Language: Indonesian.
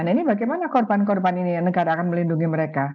nah ini bagaimana korban korban ini negara akan melindungi mereka